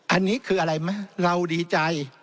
อันนี้คืออะไรไหมเราดีใจ